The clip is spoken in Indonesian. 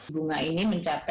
bunga ini mencapai